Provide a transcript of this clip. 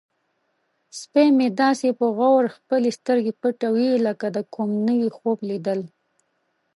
سپی مې داسې په غور خپلې سترګې پټوي لکه د کوم نوي خوب لیدل.